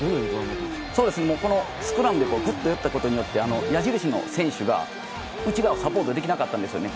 このスクラムでグッと寄ったことで矢印の選手が内側のサポートできなかったんですよね。